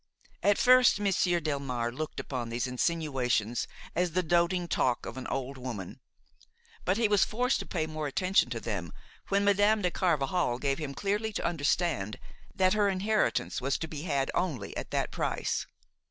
At first Monsieur Delmare looked upon these insinuations as the doting talk of an old woman; but he was forced to pay more attention to them when Madame de Carvajal gave him clearly to understand that her inheritance was to be had only at that price.